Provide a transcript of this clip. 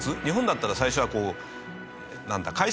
日本だったら最初はこうなんだ